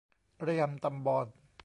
ระยำตำบอน